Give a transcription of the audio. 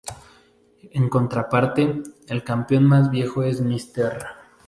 En contraparte, el campeón más viejo es Mr.